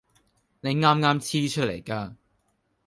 你啱啱黐出嚟㗎